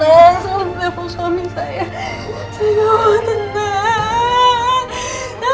saya mau telepon suami saya